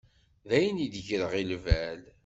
D ayen i d-greɣ deg lbal.